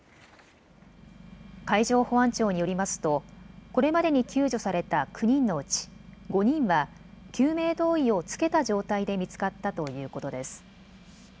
海上保安庁によりますとこれまでに救助された９人のうち５人は救命胴衣を着けた状態で見つかったということです。